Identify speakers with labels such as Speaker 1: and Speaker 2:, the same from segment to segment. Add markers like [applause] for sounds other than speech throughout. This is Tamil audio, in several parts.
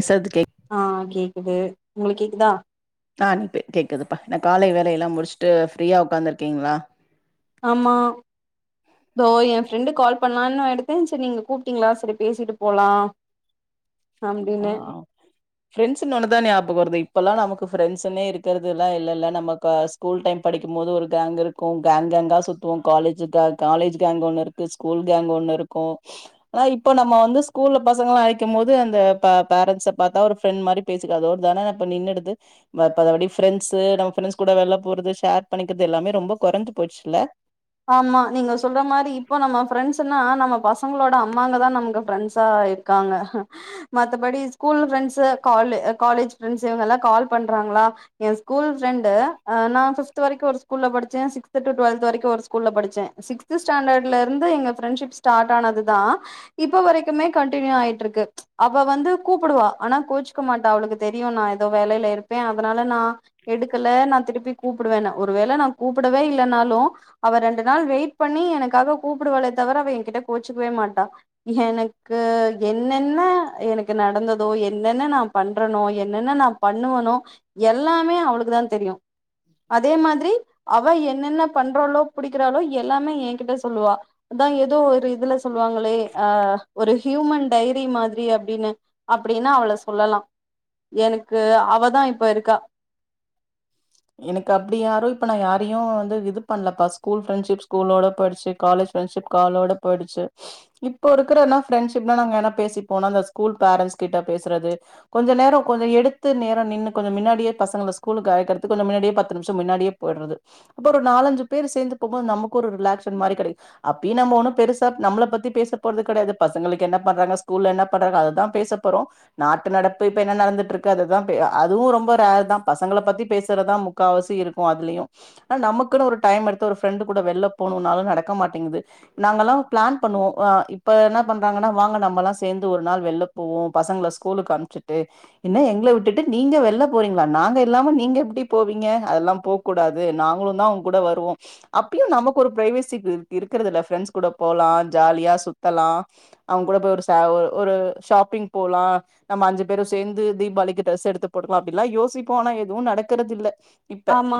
Speaker 1: [unintelligible]
Speaker 2: ஆ கேக்குது உங்களுக்கு கேக்குதா
Speaker 1: ந நீப்பே கேட்குதுப்பா என்ன காலை வேலையல்லாம் முடிச்சுட்டு ஃப்ரீயா உக்காந்துருக்கீங்களா
Speaker 2: ஆமா தோ என் ஃப்ரெண்டு கால் பண்ணலான்னு எடுத்தன் சரி நீங்க கூப்டீங்களா சரி பேசிட்டு போலாம்
Speaker 1: ஆ ஃப்ரெண்டஸுன்னுதா ஞாபகம் வருது இப்பெல்லாம் நமக்கு ஃப்ரெண்ட்ஸ்ன்னே இருக்கிறது எல்லாம் இல்லல்ல நமக்கு ஸ்கூல் டைம் படிக்கும்போது ஒரு கேங் இருக்கும் கேங் கேங்காக சுத்துவோம் காலேஜ் கேங் காலேஜ் கேங் ஒன்னு இருக்கு ஸ்கூல் கேங் ஒண்ணு இருக்கும் ஆனா இப்ப நம்ம வந்து ஸ்கூல்ல பசங்கள அழைக்கும் போது அந்த இப்ப பேரண்ட்ஸை பாத்தா ஒரு ஃப்ரெண்ட் மாறி பேசுறது அதோடு தான இப்ப நின்னுடுது மத்தபடி ஃப்ரெண்ட்ஸ் நம் ஃப்ரெண்ட்ஸ் கூட வெளிய போறது ஷேர் பண்ணிக்கிறது எல்லாமே ரொம்ப கொறஞ்சி போயிச்சுல்ல
Speaker 2: ஆமா நீங்க சொல்ற மாரி இப்போ நம்ம ஃப்ரெண்ட்ஸ்ன்னா நம்ம பசங்களோட அம்மாங்க தான் நமக்கு ஃப்ரெண்ட்ஸா இருக்கறது இருக்காங்க மத்தபடி ஸ்கூல் ஃப்ரெண்ட்ஸ் கால காலேஜ் ஃப்ரெண்ட்ஸ் இவங்க எல்லாம் கால் பண்றாங்களா என் ஸ்கூல்ஃப்ரெண்டு அ நா பிஃப்த் வரைக்கும் ஒரு ஸ்கூல்ல படிச்சேன் சிக்ஸ்ட் டூ டுவல்த்து வரைக்கும் ஒரு ஸ்கூல் ஸ்கூல்ல படிச்சேன் சிக்ஸ்ட் ஸ்டாண்டர்ட்ல இருந்து எங்க ஃப்ரெண்ட்ஷிப் ஸ்டார்ட் ஆனதுதான் இப்ப வரைக்குமே கண்டினியூ ஆயிட்டு இருக்கு அவ வந்து கூப்டுவா ஆனா கோச்சுக்க மாட்டா அவளுக்கு தெரியு நா ஏதோ வேலையில இருப்பேன் அதனால நா எடுக்கல நான் திருப்பி கூப்டுவேன் ஒரு வேல நான் கூப்டவே இல்லைனாலும் அவ ரெண்டு நாள் வெயிட் பண்ணி எனக்காக கூப்டுவாளே தவிர அவ என்கிட்ட கோச்சுக்கவே மாட்டா எனக்கு என்னென்ன எனக்கு நடந்ததோ என்னென்ன நான் பண்றனோ என்னென்ன நான் பண்ணுவனோம் எல்லாமே அவளுக்கு தான் தெரியும் அதே மாரி அவ என்னென்ன பண்றாலோ புடிக்கிறாளோ எல்லாமே எ கிட்ட சொல்லுவா அதான் ஏதோ ஒரு இதுல சொல்லுவாங்களே அ ஒரு ஹியூமன் டைரி மாதிரி அப்டின்னு அப்டின்னு அவள சொல்லலாம் எனக்கு அவதான் இப்ப இருக்கா
Speaker 1: எனக்கு அப்டி யாரும் இப்ப நான் யாரையும் இது பண்ணலப்பா ஸ்கூல் ஃப்ரெண்ட்ஷிப் ஸ்கூலோட போயிருச்சு காலேஜ் ஃப்ரெண்ட்ஷிப் காலோடு போயிடுச்சு இப்போ இருக்கிற என்ன ஃரெண்ட்ஷிப்லாம் நாங்க என்ன பேசிப்போம் அந்த ஸ்கூல் பேரன்ட்ஸ் கிட்ட பேசுறது கொஞ்சம் நேரோம் கொஞ்சம் எடுத்து நேரோம்நின்னு கொஞ்சோம் மின்னாடியே பசங்க ஸ்கூலு அழைக்கிறது கொஞ்சம் மின்னாடியே பத்து நிமிஷம் மின்னாடியே போயிடுறது அப்போ ஒரு நாலஞ்சு பேர் சேர்ந்து போகும் நமக்கு ஒரு ரிலாக்ஷன் மாரி கெடைக்கும் அப்பயும் நம்ம ஒண்ணும் பெருசா நம்மள பத்தி பேச போறது கெடையாது பசங்களுக்கு என்ன பண்றாங்க ஸ்கூல்ல என்ன பண்றாங்க அததான் பேச போறோம் நாட்டு நடப்பு இப்ப என்ன நடந்துட்டு இருக்கு அதுதான் அதுவும் ரொம்ப ரேர் தான் பசங்களை பத்தி பேச றதா முக்கா வாசி இருக்கு அதுலேயு நா நமக்குன்னு ஒரு டைம் எடுத்து ஒரு ஃப்ரெண்டு் கூட வெளில போனுனாலு நடக்க மாட்டேங்குது நாங்கலா ஒரு பிலான் பண்ணுவோ வா இப்ப என்ன பண்றாங்கன்னா வாங்க நம்ம எல்லா சேந்து ஒரு நாள் வெளில போவோ பசங்கள ஸ்கூலுக்கு அம்சுட்டு என்ன எங்கள விட்டுட்டு நீங்க வெளில போறீங்களா நாங்க இல்லாம நீங்க எப்டி போவீங்க அதெல்லா போ கூடாது நாங்களு தா உ கூட வருவோ அப்புயு நமக்கு ஒரு பிரைவெசி இ இருக்கிறது இல்ல ஃப்ரெண்ஸ் கூட போலா ஜாலியா சுத்தலா அவுங்க கூட போய் ஒரு சாவு ஒரு ஷாப்பிங் போலா நம்ம அஞ்சு பேரு சேந்து தீபாளிக்கு டிரெஸ் எடுத்து போட்டுக்கலா அப்பிடிலா யோசிப்போ ஆன எதுவு நடக்கறது இல்ல இப்ப
Speaker 2: ஆமா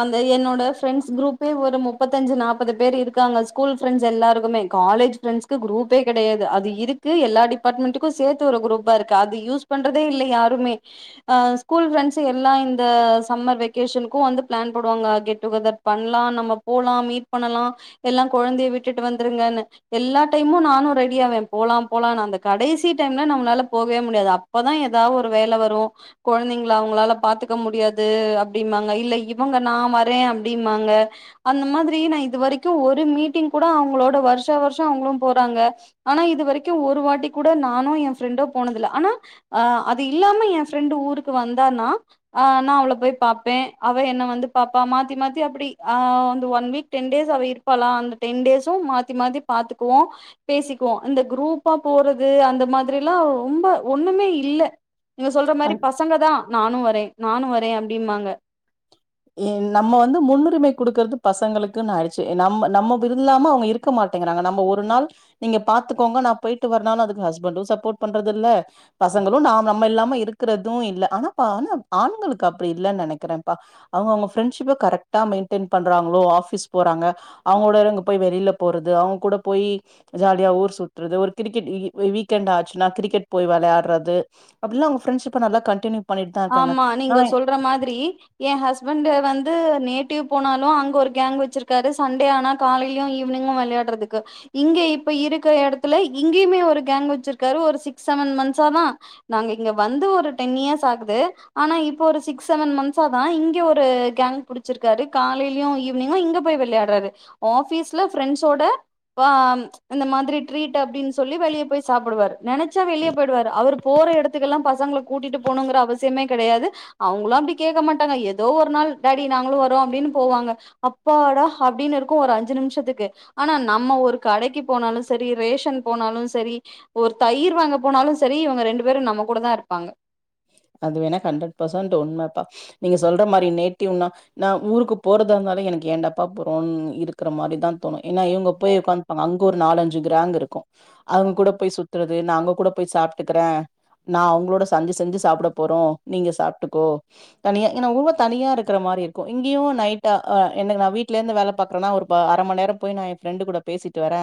Speaker 2: அந்த என்னோட ஃப்ரெண்ட்ஸ் குரூப்பே ஒரு முப்பத்தஞ்சு நாப்பது பேர் இருக்காங்க ஸ்கூல் ஃப்ரெண்ட்ஸ் எல்லாருக்குமே காலேஜ் ஃபிரெண்ட்ஸ்கு குரூப்பே கெடயாது அது இருக்கு எல்லா டிப்பார்ட்மெண்ட்டுக்கு சேத்து ஒரு குரூப்பா இருக்கு அது யூஸ் பண்றதே இல்ல யாருமே அ ஸ்கூல் ஃப்ரெண்ட்ஸ் எல்லா இந்த சம்மர் வெ ஷனுக்கு வந்து பிளான் போடுவாங்க கெட் டு கெதர் பண்லா நம்ம போலா மீட் பண்ணலா எல்லா கொழந்தைய விட்டுட்டு வந்துருங்கன்னு எல்லா டைமு நானு ரெடியாவ போல போல அந்த கடைசி டைம்ல நம்பனால போகவே முடியாது அப் அப்பதா எதா ஒரு வேல வரு குழந்தைங்கல அவங்களால பாத்துக்க முடியாது அப் ப்டிம்பாங்க இல்ல இவங்க நா வரே அப்டிமாங்க அந்த மாதிரி நா இது வரைக்கு ஒரு மீட்டிங் கூட அவுங்களோட வருஷா வருசோ அவுங்குளு போறாங்க ஆனா இது வெரைக்கு ஒரு வாட்டி கூட நானு எ ஃப்ரெண்டோ போனதுல ஆனா ஆ அது இல்லாம எ ஃப்ரெண்டு் ஊருக்கு வந்தானா ஆ நா அவள போய் பாப் பெ அவ என்ன வந்து பாப்பா மாத்தி மாத்தி அப்டி அ வந்து ஒன் வீக் டென் டேஸ் அவ இரு பலா அந்த டென் டேசு மாத்தி மாத்தி பாத்துக்குவோ பேசிக்குவோ இந்த குரூப்பா போறது அந்த மாதிரிலா ரொம்ப ஒன்னுமே இல்ல நீங்க சொல்ற மாதிரி பசங்க தா நானு வரே நானு வரே அப்டிமாங்க
Speaker 1: என் நம்ம வந்து முன்னுரிமை குடுக்குறது பசங்களுக்குன்னு ஆயிடுச்சு நம் நம்ம விருல்லாம அவுங்க இருக் இருக்க மாட்டேங்குறாங்க நம்ம ஒரு நாள் நீங்க பாத்துக்கோங்க நா போயிட்டு வரானஅதுக்கு ஹஸ்பண்டு சப்போர்ட் பண்றது இல்ல பசங்களு நாம் நம்ம இல்லாம இருக்கறதூ இல்ல ஆனாப்பா ஆனா ஆண்களுக்கு அப்புடி இல்லன்னு நெனைக்கிறபா அவுங்க அவுங்க ஃப்ரெண்ஷிப்பை கரெக்டா மெய்ன்டய்ன் பண்றாங்களோ ஆஃபீஸ் போறாங்க அவுங்கூடறங் போய் வெளில போறது அவுங்க கூட போய் ஜாலியா ஊர் சுத்துறது ஒரு கிரிக்கெட் இ வீக்கெண்ட் ஆச்சுன்னா கிரிக்கெட் போய் வெளாட்றது அப்புல்லா அவுங்க ஃப்ரெண்டஷிப்ப நல்ல கண்டினியூ பண்ணிட்டு தா இருக்காங்க
Speaker 2: ஆமா
Speaker 1: நா
Speaker 2: நீங்க சொல்ற மாதிரி எ ஹஸ்பண்ட் வந்து நேட்டிவ் போனாலு அங்க ஒரு கேங் வச்சிருக்காரு சண்டே ஆனா காலைலியு ஈவினிங்கு வெளயாட்றதுக்கு இங்க இப்ப இருக்குற எடத்துல இங்கேயுமே ஒரு கேங் வச்சிருக்காரு ஒரு சிக்ஸ் செவன் மன்ஸ்சாதா நாங்க இங்க வந்து ஒரு டென் இயர்ஸ் ஆகு து ஆனா இப்ப ஒரு சிக்ஸ் செவன் மன்ஸ்சா தா இங்க ஒரு கேங் புடிச்சிருக்காரு காலைலியு ஈவினிங்கு இங்க போய் விளையாட்றாரு ஆஃபீஸ்ல ஃபிரெண்ஸ்ஸோட வாம் இந்த மாதிரி ட்ரீட் அப்டின்னு சொல்லி வெளிய போய் சாப்புடுவாரு நெனைச்சா வெளியே போய்டுவாரு அவுரு போற எடத்துகெல்லா பசங்கள கூட்டிட்டு போனுங்கற அவசியமே கெடயாது அவுங்களு அப்டி கேட்க மாட்டாங்க எதோ ஒரு நாள் டாடி நாங்களு வரோ அப்டின்னு போவாங்க அப்பாடா அப்டின்னு இருக்கு ஒரு அஞ்சு நிமிஷத்துக்கு ஆனா நம்ம ஒரு கடைக்கு போனாலு சரி ரேஷன் போனாலு சரி ஒரு தயிர் வாங்க போனாலு சரி இவங்க ரெண்டு பேரு நம்ம கூட தா இருப்பாங்க
Speaker 1: அது வேணா ஹண்ட்ரட் பசன்ட் உண்மைப்பா நீங்க சொல்ற மாரி நேட்யூனா நா ஊருக்கு போறதா இருந்தாலு எனக்கு ஏன்டப்பா போறோனு இருக்கற மாரி தா தோணு இன்னா இவுங்க போய் உக்காந்துப்பாங்க அங்க ஒரு நாலஞ்சு கிராங்க் இருக்கு அவங்க கூட போய் சுத்துறது நா அங்க கூட போய் சாப்ட்டுக்கற நா அவுங்களோட சஞ்சி செஞ்சி சாப்ட போறோ நீங்க சாப்ட்டுகோ தனியா ஏன்னா உள்வ தனியா இருக்கற மாரி இருக்கு இங்கேயு நைட்ட அ எனக் நா வீட்ல இருந்து வேல பாக்றன்னா ஒரு இப்ப அர மண் நேரம் போய் நா என் ப்ரெண்டு கூட பேசிட்டு வர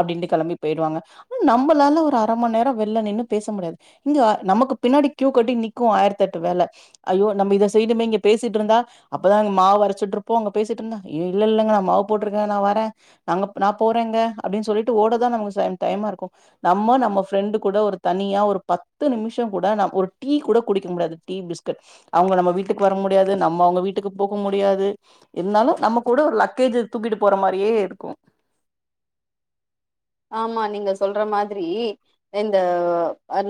Speaker 1: அப்டின்ட்டு கெளம்பி போயிடுவாங்க ம் நம்பளால ஒரு அர மண் நேரம் வெள்ள நின்னு பேச முடியாது இங்க நமக்கு பின்னாடி கியூ கட்டி நிக்கு ஆயிரத்தெட்டு வேல ஐயோ நம்ப இத செய்னுமே இங்க பேசிட்டு இருந்தா அப்பதா இங்க மாவு அரச்சிட்ருப்போ அங்க பேசிட்டு இருந்த இல்ல இல்லங்க நா மாவு போட்ருக்க நா வர நாங்க நா போறேங்க அப்டின் சொல்லிட்டு ஓட தா நமக்கு டைமா இருக்கும் நம்மோ நம்ம ஃப்ரெண்டு் கூட ஒரு தனியா ஒரு பத்து நிமிஷம் கூட நா ஒரு டீ கூட குடிக்க முடியாது டீ பிஸ்கட் அவங்க நம்ம வீட்டுக்கு வர முடியாது நம்ம அவங்க வீட்டுக்கு போக முடியாது இருந்தாலும் நம்ம கூட ஒரு லக்கேஜ்ஜ தூக்கிட்டு போற மாரியே இருக்கும்
Speaker 2: ஆமா நீங்க சொல்ற மாதிரி இந்த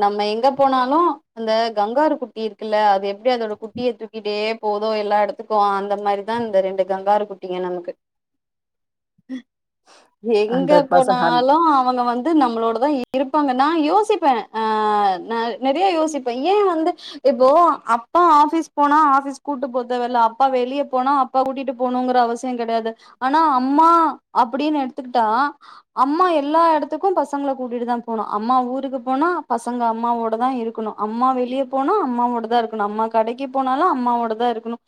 Speaker 2: நம்ம எங்க போனாலும் அந்த கங்காரு குட்டி இருக்குல்ல அது எப்டி அதோட குட் டிய தூக்கிட்டே போதோ எல்லா எடத்துக்கும் அந்த மாரிதா இந்த ரெண்டு கங்காரு குட்டிங்க நமக்கு எங்க
Speaker 1: ஹண்ட்ரட்
Speaker 2: போது
Speaker 1: பர்சன்ட் ஹண்
Speaker 2: அவங்க வந்து நம்மளோடதா இருப்பாங்க நா யோசிப்ப ஆ நெறைய யோசிப்ப ஏன் வந்து இப்போ அப்பா ஆஃபீஸ் போனா ஆஃபீஸ் கூப்ட்டு போ தேவல்ல அப்பா வெளிய போனா அப்பா கூட்டிட்டு போணுங்கற அவசியம் கெடயாது ஆனா அம்மா அப்டின் எடுத்துக்கிட்டா அம்மா எல்லா எடத்துக்கும் பசங்கள கூட்டிட்டு தா போணு அம்மா ஊருக்கு போனா பசங்க அம்மாவோட தா இருக்குணு அம்மா வெளிய போனா அம்மாவோட தா இருக்கணு அம்மா கடைக்கு போனாலும் அம்மாவோட தா இருக்கணு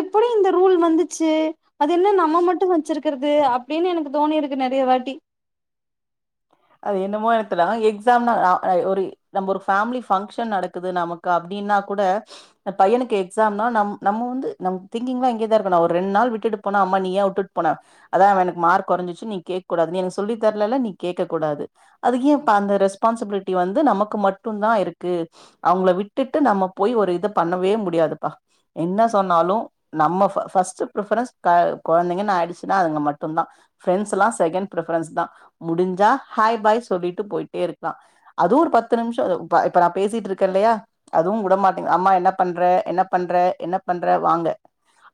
Speaker 2: எப்படி இந்த ரூல் வந்துச்சு அது என்ன நம்ம மட்டும் வச்சிருக்கறது அப்டின்னு எனக்கு தோணி இருக்கு நெறைய வாட்டி
Speaker 1: அது என்னமோ எடத்துல எக்ஸாம் நா ஒ ஒரி நம்ப ஒரு ஃபேமிலி ஃங்க்ஷன் நடக்குது நமக்கு அப்டின்னா கூட பையனுக்கு எக்ஸாம்னா நம் நம்ம வந்து நம் திங்க்கிங்லா இங்கே தா இருக்கணும் ஒரு ரெண் நாள் விட்டுட்டு போனா அம்மா நீ ஏன் உட்டுட் போன அதா எனக்கு மார்க் கொறஞ்சுச்சு நீ கேக் கூடாது நீ எனக் சொல்லி தர்லலா நீ கேக் க கூடாது அது ஏன் பா அந்த ரெஸ்பான்சிபிலிட்டி வந்து நமக்கு மட்டும் தா இருக்கு அவங்கள விட்டுட்டு நம்ம போய் ஒரு இத பண்ணவே முடியாதுப்பா என்ன சொன்னாலும் நம்ம ஃபர்ஸ்ட்டு பிரிஃபரன்ஸ் கொழந்தைங்கன் ஆயிடுச்சுன்னா அதுங்க மட்டும்தா ஃப்ரெண்ட்ஸ்ல்லா செகண்ட் பிரிஃபரன்ஸ் தா முடிஞ்சா ஹாய் பாய் சொல்லிட்டு போயிட்டே இருக்லா அதுவும் ஒரு பத்து நிம்ஷோ இப்ப இப்ப நா பேசிட்டு இருக்கே இல்லையா அதுவும் உடமாட்டேங் அம்மா என்ன பண்ற என்ன பண்ற என்ன பண்ற வாங்க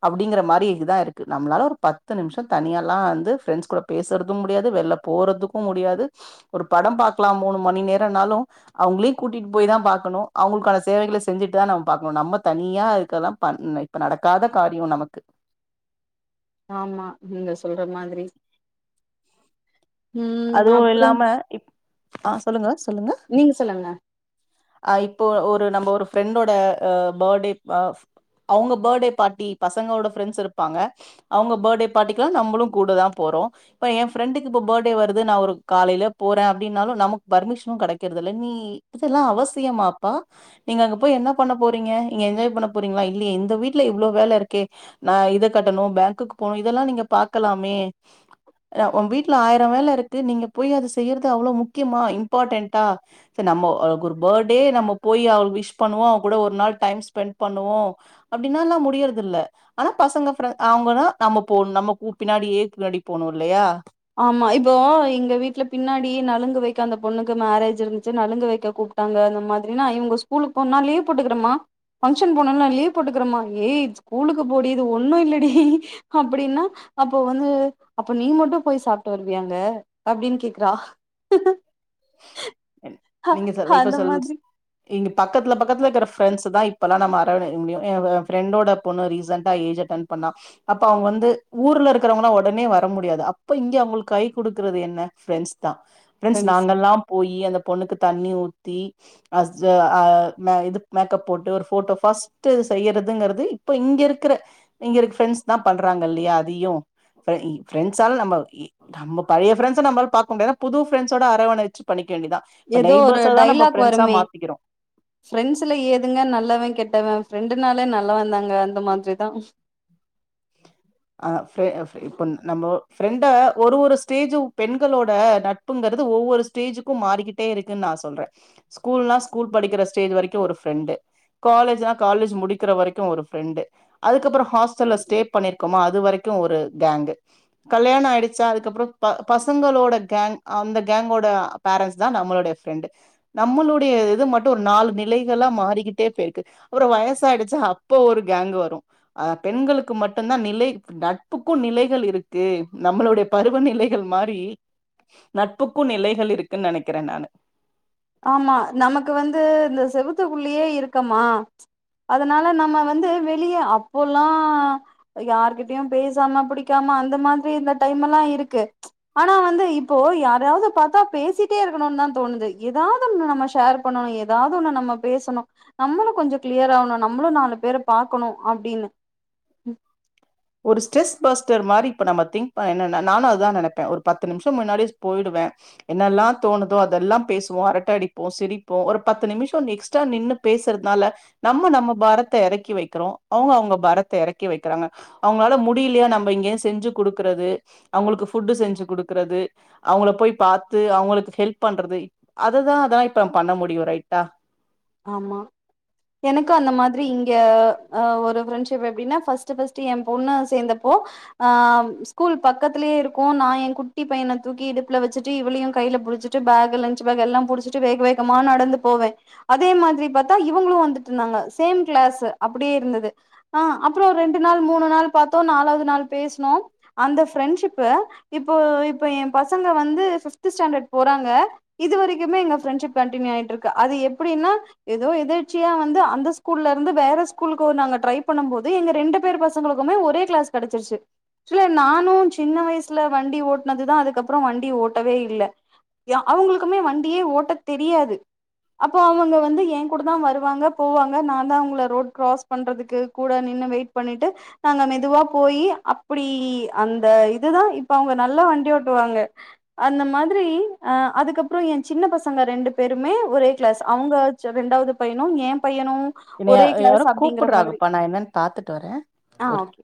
Speaker 1: அப்டிங்கிற மாரி இதுதா இருக்கு நம்மளால ஒரு பத்து நிம்ஷோ தனியால்லா வந்து ஃப்ரெண்ட்ஸ் கூட பேசுறதும் முடியாது வெள்ல போறதுக்கும் முடியாது ஒரு படம் பாக்கலாம் மூணு மணி நேரம்னாலும் அவுங்ளுயு கூட்டிட்டு போய்தா பாக்கணு அவுங்குள்க்கான சேவைகள செஞ்சுட்டு தா நம் பாக்கணு நம்ம தனியா அதுக்கெல்லா பண் இப்ப நடக்காத காரியோ நமக்கு
Speaker 2: ஆமா நீங்க சொல்ற மாதிரி
Speaker 1: அதுவு இல்லாம இப் ஆ சொல்லுங்க
Speaker 2: நீங்க சொல்லுங்க
Speaker 1: அ இப்போ ஒரு நம்போ ஒரு ஃப்ரெண்டோட அ பேர்த்டே அ அவுங்க பேர்த்டே பார்ட்டி பசங்களோட ஃப்ரெண்ட்ஸ் இருப்பாங்க அவுங்க பர்த்டே பார்ட்டிக்கும் நம்பளும் கூடதா போறோம் இப்ப என் ஃப்ரெண்டுக்கு இப்ப பர்த்டே வருது நா ஒரு காலையில போற அப்டின்னாலு நமக்கு பர்மிஷனும் கடைக்கறதில்ல நீ இதெல்லா அவசியமாப்பா நீங்க அங்க போய் என்ன பண்ண போறீங்க நீங்க என்ஜாய் பண்ண போறீங்ளா இல்லியே இந்த வீட்ல இவ்ளோ வேல இருக்கே நா இத கட்டணும் பேங்க்குக்கு போனும் இதெல்லா நீங்க பாக்கலாமே ஒ வீட்டுல ஆயிரோ வேல இருக்கு நீங்க போய் அது செய்யறது அவ்ளோ முக்கியமா இம்பாட்டென்டா செரி நம்ம அவளுக்கு ஒரு பர்டே நம்ம போய் அவளுக்கு விஷ் பண்ணுவோ அவங கூட ஒரு நாள் டைம் ஸ்பெண்ட் பண்ணுவோ அப்படின்னா ல்லாம் முடியறதுல்ல ஆனா பசங்க ஃப்ரெண் அவுங்கதா நம்ம போணும் நம்ம கூ பின்னாடி ஏ பின்னாடி போணும் இல்லையா
Speaker 2: ஆமா இப்போ எங்க வீட்ல பின்னாடி நலுங்கு வெக்கெ‌ அந்த பொண்ணுக்கு மேரேஜ் இருந்துச்சு நலுங்கு வெக்க கூப் கூப்ட்டாங்க அந்த மாதிரினா இவுங்க ஸ்கூலுக்கு போன்னா லீவ் போட்டுக்குறேமா ஃபங்க்ஷன் போணுல்ல லீவ் போட்டுக்கிறேமா ஏய் ஸ்கூலுக்கு போடி இது ஒன்னு இல்லடி அப்டின்னா அப்போ வந்து அப்ப நீ மட்டு போய் சாப்ட்டு வருவியா அங்க அப்டின் கேக்றா
Speaker 1: நீங்க சொல் இப்ப
Speaker 2: அந்த
Speaker 1: சொல்
Speaker 2: மாதிரி
Speaker 1: இங்க பக்கத்துல பக்கத்துல இருக்குற ஃப்ரெண்ட்ஸ் தா இப்பெல்லா நம்ம அரவணைய முடியு ஏ ஃப்ரெண்டோட பொண்ணு ரீசன்டா ஏஜ் அட்டன் பண்ணா அப்ப அவுங்க வந்து ஊர்ல இருக்குறவங்கள்லா உடனே வர முடியாது அப்ப இங்க அவங்களுக்கு கை குடுக்குறது என்ன ஃப்ரெண்ட்ஸ் தா ஃப்ரண்ஸ்
Speaker 2: ஃப்ரெண்ட்ஸ் தா
Speaker 1: நாங்கல்லா போயி அந்த பொண்ணுக்கு தண்ணி ஊத்தி அஸ் ஜ அ இது மேக்கப் போட்டு ஒரு போட்டோ ஃபஸ்ட் செய்யறதுங்கறது இப்ப இங்க இருக்ற இங்க இருக்க ஃப்ரெண்ட்ஸ் தா பண்றாங்க இல்லையா அதயு ஃப்ரெண்ஸால நம்ம இ நம்ம பழைய ஃப்ரண்ஸ நம்மால பாக்க முடியாது புது பிரண்ஸோட அரவணை ச்சு பண்ணிக்க வேண்டிதா இப்ப நெய்பர்ஸதா நம்ம ஃப்ரண்ஸா மாத்திக்கிறோ
Speaker 2: ப்ரெண்ட்ஸ்ல ஏதுங்க நல்லவே கெட்டவே ஃப்ரெண்டுனாலே நல்லவே தாங்க அந்த மாதிரிதா
Speaker 1: அ ப்ரெ ப்ரெ இப்ப நம்ம ஃப்ரெண்ட ஒரு ஒரு ஸ்டேஜ் பெண்களோட நட் ப்புங்கறது ஒவ்வொரு ஸ்டேஜுக்கு மாறிக்கிட்டே இருக்குன்னு நா சொல்றே ஸ்கூல்னா ஸ்கூல் படிக்ற ஸ்டேஜ் வரைக்கு ஒரு ஃப்ரெண்டு காலேஜ்னா காலேஜ் முடிக்கிற வரைக்கு ஒரு ஃப்ரெண்டு அதுக்கப்றோ ஹாஸ்டல்ல ஸ்டே பண்ணிர் க்கமா அது வரைக்கு ஒரு கேங்கு கல்யாணோ ஆயிடுச்சா அதுக்கப்றோ ப பசங்களோட கேங் அந்த கேங்கோட பேரண்ட்ஸ் தா நம்மளோடைய ஃப்ரெண்டு் நம்மளுடைய இது மட்டு ஒரு நாலு நிலைகளா மாறிக்கிட்டே போயிருக்கு ஒரு வயசாயிடுச்சா அப்ப ஒரு கேங்க் வரு அ பெண்களுக்கு மட் ட்டு்தா நிலை நட்புக்கு நிலைகள் இருக்கு நம்மளுடைய பருவநிலைகள் மாரி நட்புக்கு நிலைகள் இருக்குன்னு நெனக்கிறே நானு
Speaker 2: ஆமா நமக்கு வந்து இந்த செவுத்துக்குள்ளியே இருக்கமா அதனால நம்ம வந்து வெளிய அப்போல்லா யார்கிட்டயு பேசாம புடிக்காம அந்த மாதிரி இந்த டைம் எல்லா இருக்கு ஆனா வந்து இப்போ யாராய்யாவ்து பாத்தா பேசிட்டே இருக்கணுதா தோணுது ஏதாவ்து ஒண்ணு நம்ம ஷேர் பண்ணணு ஏதாவ்து ஒண்ணு நம்ம பேசணு நம்மளு கொஞ்சோ கிளியர் ஆவணு நம்மளு நாலு பேர பாக்கணு அப்டின்னு
Speaker 1: ஒரு ஸ்ட்ரெஸ் பஸ்டர் மாரி இப்ப நம்ம திங்க் என்ன நானு அதுதா நெனப்பே ஒரு பத்து நிமிஷோ முன்னாடியே போயிடுவே என்னெல்லா தோணுதோ அதெல்லா பேசுவோ அரட்ட அடிப்போ சிரிப்போ ஒரு பத்து நிமிஷோ எக்ஸ்ட்ரா நின்னு பேசுறத்னால நம்ம நம்ம பாரத்த எறக்கி வெக்கிறோ அவுங்க அவங்க பாரத்த எறக்கி வெக்கிறாங்க அவுங்களால முடியலையா நம்ப இங்கருந்து செஞ்சு குடுக்குறது அவுங்களுக்கு ஃபுட்டு செஞ்சு குடுக்குறது அவ்ங்கள போய் பாத்து அவுங்களுக்கு ஹெல்ப் பண்றது அததா அத இப்ப நம்ம பண்ண முடியும் ரைட்டா
Speaker 2: ஆமா எனக்கு அந்த மாதிரி இங்க அ ஒரு ஃப்ரெண்ட்ஷிப் எப்டின்னா ஃபஸ்ட் ஃபஸ்ட் எ பொண்ண சேந்தப்போ ஆ ஸ்கூல் பக்கத்திலே இருக்கு நா ஏ குட்டி பையன தூக்கி இடுப்புல வச்சுட்டு இவ்ளையு கையில புடிச்சு ட்டு பேக் லஞ்ச் பேக் எல்லா புடிச்சிட்டு வேக வேகமா நடந்து போவே அதே மாதிரி பாத்தா இவங்களூ வந்துட்திருந்தாங்க சேம் கிளாஸ் அப்டியே இருந்தது ஆ அப்றோ ரெண்டு நாள் மூணு நாள் பாத்தோ நாலாவது நாள் பேஸ்னோ அந்த ஃப்ரெண்ட்ஷிப் இப்போ இப்ப என் பசங்க வந்து பிஃப்த் ஸ்டாண்டர்ட் போறாங்க இது வரைக்குமே எங்க ஃப்ரெண்ட்ஷிப் கண்டினியூ ஆயிட்ருக்கு அது எப்படின்னா ஏதோ எதிர்ச்சியா வந்து அந்த ஸ்கூல்ல இருந்து வேற ஸ்கூலுக்கு ஒரு நாங்க ட்ரை பண்ணு போது எங்க ரெண்டு பேர் பசங் ங்களுக்குமே ஒரே கிளாஸ் கெடச்சிருச்சு ஆக்சுலா நானு சின்ன வயசுல வண்டி ஓட்னதுதா அதுக்கப்றோ வண்டி ஓட்டவே இல்ல யா அவங்களுக்குமே வண்டியே ஓட்ட தெரியாது அப்போ அவங்க வந்து எ கூடதா வருவாங்க போவாங்க நா தா அவங்கள ரோட் கிராஸ் பண்றதுக்கு கூட நின்னு வெயிட் பண்ணிட்டு நாங்க மெதுவா போய் அப்படி அந்த இதுதா இப்ப அவ்ங்க நல்லா வண்டி ஓட்டுவாங்க அந்த மாதிரி அ அதுக்கப்றோ எ சின்ன பசங்க ரெண்டு பேருமே ஒரோ கிளாஸ் அவங்க ச்ச ரெண்டாவது பையனும் ஏ பையனூ
Speaker 1: என்னைய
Speaker 2: ஒரே கிளாஸ்
Speaker 1: யாரோ
Speaker 2: அப்படிங்கிற மாதிரி
Speaker 1: கூப்புட்றாங்கப்பா நா என்னன்னு
Speaker 2: ஆ ஓக்கே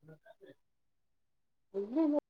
Speaker 1: ம்
Speaker 2: ஐய்யய்யோ